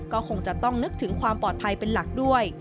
ก็คงจะต้องนึกถึงความปลอดภัยเป็นหลักด้วย